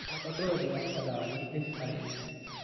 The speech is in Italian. La patrona di Raffadali e il paese.